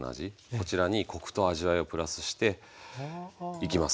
こちらにコクと味わいをプラスしていきますね。